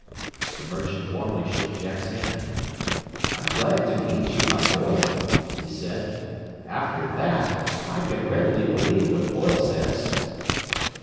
The merchant warmly shook Jack's hand. "I'm glad to meet you, my boy," he said. "After that, I can readily believe what Boyle says.